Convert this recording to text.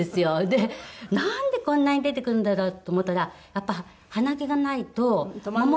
でなんでこんなに出てくるんだろう？と思ったらやっぱり鼻毛がないと守ってくれない。